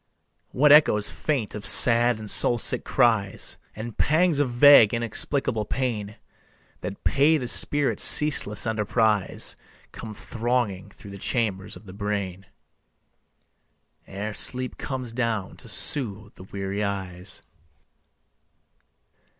What echoes faint of sad and soul sick cries, And pangs of vague inexplicable pain That pay the spirit's ceaseless enterprise, Come thronging through the chambers of the brain Ere sleep comes down to soothe the weary eyes.